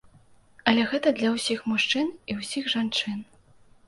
Але гэта для ўсіх мужчын і ўсіх жанчын.